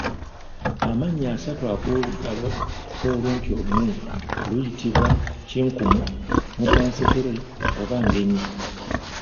Amanya asatu ag'olugalo olumpi olunene luyitibwa kinkumu, Muttansekere oba Ngenyi.